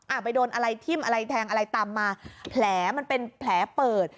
ไปโดนอะไรทิ่มอะไรแทงอะไรตามมาแผลมันเป็นแผลเปิด